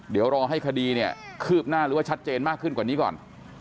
เดี๋ยวรอให้คดีเนี่ยคืบหน้าหรือว่าชัดเจนมากขึ้นกว่านี้ก่อน